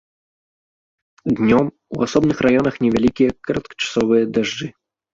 Днём у асобных раёнах невялікія кароткачасовыя дажджы.